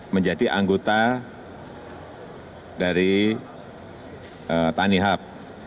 menjadi anggota dari tanihab